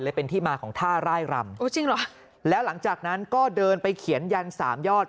เลยเป็นที่มาของท่าร่ายรำแล้วหลังจากนั้นก็เดินไปเขียนยัน๓ยอด